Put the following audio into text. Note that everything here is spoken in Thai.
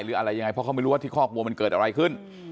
หรืออะไรยังไงเพราะเขาไม่รู้ว่าที่คอกวัวมันเกิดอะไรขึ้น